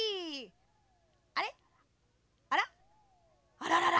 あららら！